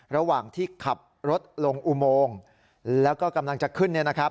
ระหว่างที่ขับรถลงอุโมงแล้วก็กำลังจะขึ้น